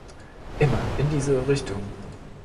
Immer in diese Richtung!